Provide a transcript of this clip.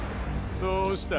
どうした？